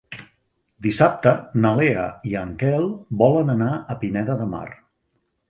Dissabte na Lea i en Quel volen anar a Pineda de Mar.